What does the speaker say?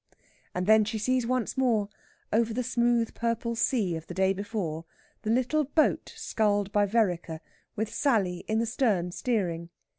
And then she sees once more over the smooth purple sea of the day before the little boat sculled by Vereker, with Sally in the stern steering.